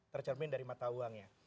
tercermin dari mata uangnya